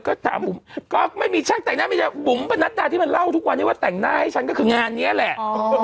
ก็ถามบุ๋มก็ไม่มีช่างแต่งหน้าไม่ได้บุ๋มประนัดดาที่มันเล่าทุกวันนี้ว่าแต่งหน้าให้ฉันก็คืองานนี้แหละ